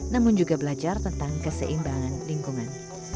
namun juga belajar tentang keseimbangan lingkungan